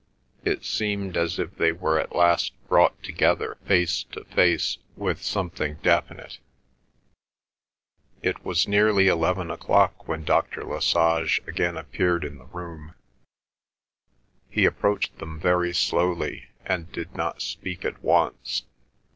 It seemed as if they were at last brought together face to face with something definite. It was nearly eleven o'clock when Dr. Lesage again appeared in the room. He approached them very slowly, and did not speak at once.